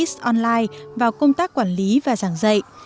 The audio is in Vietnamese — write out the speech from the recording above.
tên kiss online vào công tác quản lý và giảng dạy